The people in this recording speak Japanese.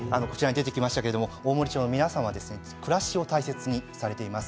大森町の皆さんは暮らしを大切にされています。